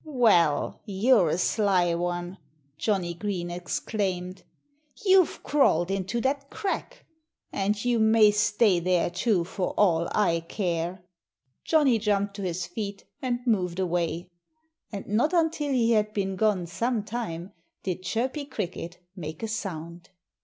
"Well! You're a sly one!" Johnnie Green exclaimed. "You've crawled into that crack. And you may stay there, too, for all I care." Johnnie jumped to his feet and moved away. And not until he had been gone some time did Chirpy Cricket make a sound.